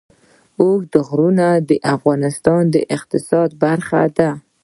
اوږده غرونه د افغانستان د اقتصاد برخه ده.